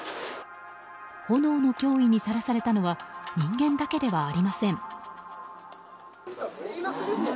炎の脅威にさらされたのは人間だけではありません。